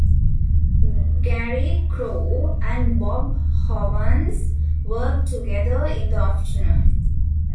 Gary Crow and Bob Hovanes worked together in the afternoon.